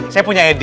saya punya ide